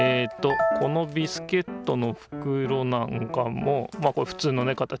このビスケットのふくろなんかもまあこれふつうのね形。